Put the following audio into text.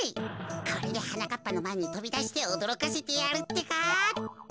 これではなかっぱのまえにとびだしておどろかせてやるってか。